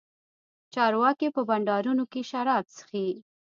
چارواکي په بنډارونو کښې شراب چښي.